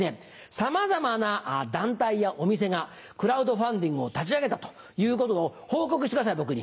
さまざまな団体やお店がクラウドファンディングを立ち上げたと報告してください僕に。